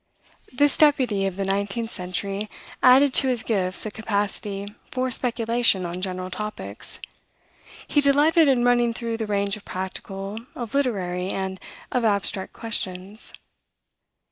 This deputy of the nineteenth century added to his gifts a capacity for speculation on general topics. He delighted in running through the range of practical, of literary, and of abstract questions.